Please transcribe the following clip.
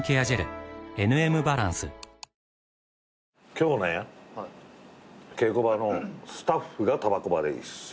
今日ね稽古場のスタッフがたばこ場で一緒になって。